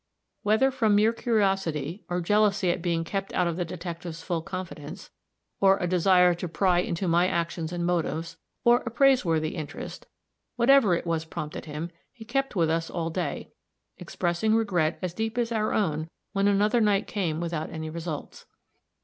Whether from mere curiosity, or jealousy at being kept out of the detective's full confidence, or a desire to pry into my actions and motives, or a praiseworthy interest whatever it was prompted him, he kept with us all day, expressing regret as deep as our own when another night came without any results.